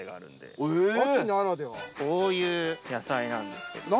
こういう野菜なんですけど。